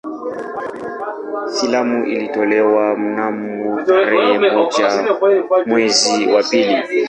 Filamu ilitolewa mnamo tarehe moja mwezi wa pili